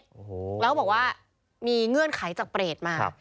แล้วเขาบอกว่ามีเงื่อนไขจากเปรตมา